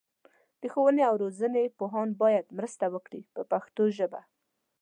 د ښوونې او روزنې پوهان باید مرسته وکړي په پښتو ژبه.